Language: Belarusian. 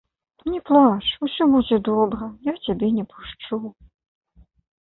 Не плач, усё будзе добра, я цябе не пушчу.